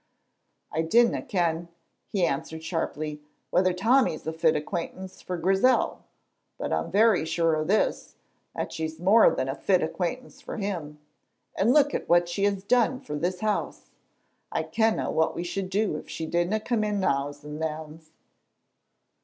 "I dinna ken," he answered sharply, "whether Tommy's a fit acquaintance for Grizel, but I'm very sure o' this, that she's more than a fit acquaintance for him. And look at what she has done for this house. I kenna what we should do if she didna come in nows and nans."